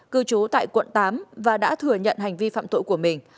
cư trú tại quận tám và đã thừa nhận hành vi phạm tội của mình